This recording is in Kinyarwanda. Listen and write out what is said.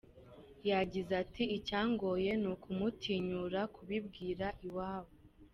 Yagize ati "Icyangoye ni ukumutinyura kubibwira iwabo.